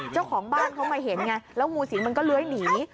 เจ้าของบ้านเขามาเห็นไงแล้วงูสิงมันก็เลื้อยหนี